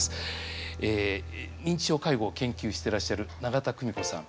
認知症介護を研究してらっしゃる永田久美子さん。